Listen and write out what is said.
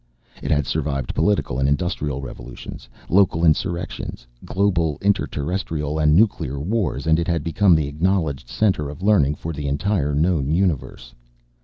It had survived political and industrial revolutions, local insurrections, global, inter terrestrial and nuclear wars, and it had become the acknowledged center of learning for the entire known universe.